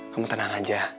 kamu tenang aja